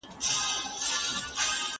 کارګران باید مناسبه اجوره ترلاسه کړي.